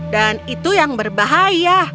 dan itu yang berbahaya